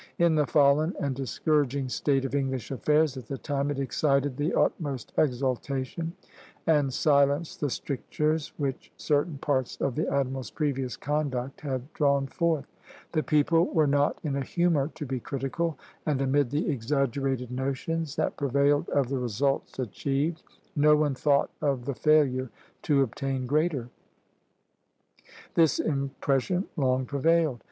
In the fallen and discouraging state of English affairs at the time, it excited the utmost exultation, and silenced the strictures which certain parts of the admiral's previous conduct had drawn forth. The people were not in a humor to be critical, and amid the exaggerated notions that prevailed of the results achieved, no one thought of the failure to obtain greater. This impression long prevailed.